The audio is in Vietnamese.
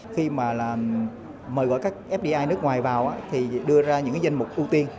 khi mà mời gọi các fdi nước ngoài vào thì đưa ra những danh mục ưu tiên